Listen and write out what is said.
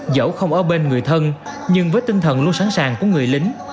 dẫu không ở bên người thân nhưng với tinh thần luôn sẵn sàng của người lính